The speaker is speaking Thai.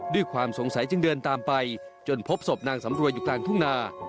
ด้วยความสงสัยจึงเดินตามไปจนพบศพนางสำรวยอยู่กลางทุ่งนา